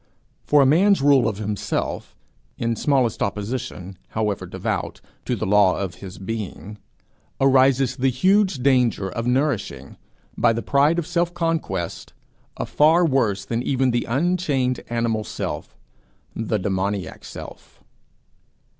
From a man's rule of himself, in smallest opposition, however devout, to the law of his being, arises the huge danger of nourishing, by the pride of self conquest, a far worse than even the unchained animal self the demoniac self.